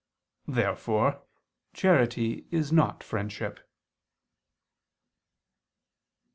Therefore charity is not friendship.